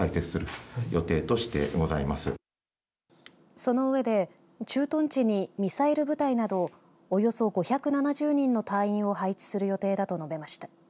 その上で駐屯地にミサイル部隊などおよそ５７０人の隊員を配置する予定だと述べました。